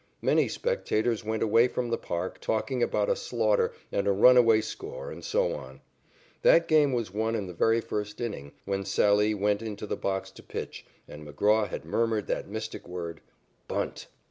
Many spectators went away from the park talking about a slaughter and a runaway score and so on. That game was won in the very first inning when Sallee went into the box to pitch, and McGraw had murmured that mystic word "Bunt!"